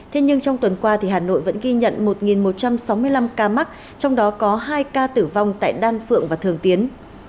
thế nhưng trong tuần qua hà nội vẫn ghi nhận một một trăm sáu mươi năm ca mắc trong đó có hai ca tử vong tại đan phượng và thường tiến